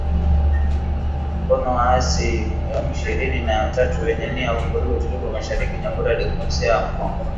mkono waasi wa M ishirini na tatu wenye nia ya kuvuruga utulivu mashariki mwa Jamuhuri ya Demokrasia ya Kongo